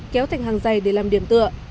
kéo thành hàng dày để làm điểm tựa